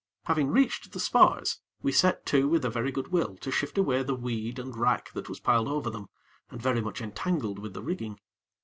Having reached the spars, we set to with a very good will to shift away the weed and wrack that was piled over them, and very much entangled with the rigging.